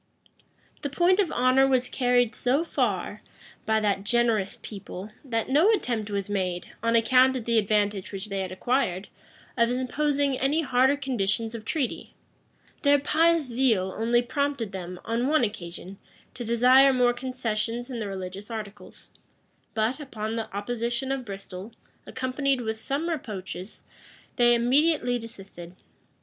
[] The point of honor was carried so far by that generous people, that no attempt was made, on account of the advantage which they had acquired, of imposing any harder conditions of treaty: their pious zeal only prompted them, on one occasion, to desire more concessions in the religious articles; but, upon the opposition of Bristol, accompanied with some reproaches, they immediately desisted.